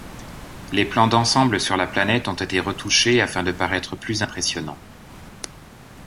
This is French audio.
Les plans d'ensemble sur la planète ont été retouchés afin de paraître plus impressionnants.